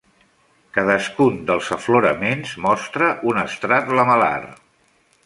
Cadascun dels afloraments mostra un estrat lamel·lar.